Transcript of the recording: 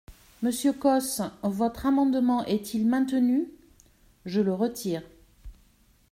Monsieur Causse, votre amendement est-il maintenu ? Je le retire.